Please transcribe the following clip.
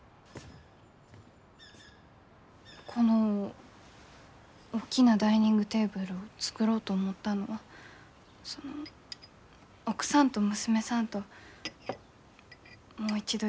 この大きなダイニングテーブルを作ろうと思ったのはその奥さんと娘さんともう一度一緒に食卓を囲ん。